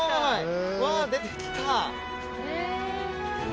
わあ出てきた。